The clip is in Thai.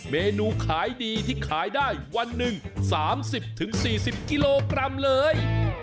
เมนูขายดีที่ขายได้วันหนึ่ง๓๐๔๐กิโลกรัมเลย